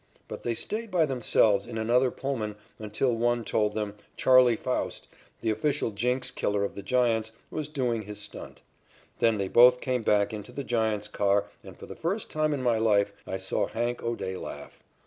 But they stayed by themselves in another Pullman until some one told them "Charley" Faust, the official jinx killer of the Giants, was doing his stunt. Then they both came back into the Giants' car and for the first time in my life I saw "Hank" O'Day laugh.